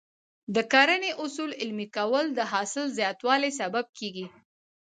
د کرنې اصول عملي کول د حاصل زیاتوالي سبب کېږي.